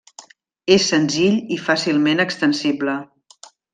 És senzill i fàcilment extensible.